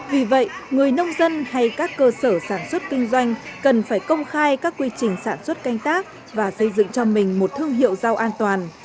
vì vậy người nông dân hay các cơ sở sản xuất kinh doanh cần phải công khai các quy trình sản xuất canh tác và xây dựng cho mình một thương hiệu rau an toàn